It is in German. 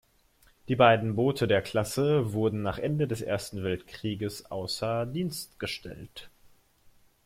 Die beiden Boote der Klasse wurden nach Ende des Ersten Weltkrieges außer Dienst gestellt.